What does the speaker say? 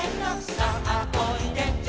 「さあおいで」